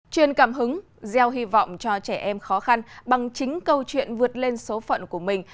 truyền cảm hứng gieo hy vọng cho trẻ em khó khăn bằng chính câu chuyện vượt lên số phận của mình